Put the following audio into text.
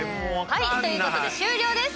はい、ということで終了です。